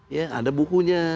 ya ada bukunya